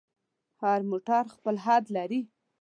هر موټر خپل حد لري.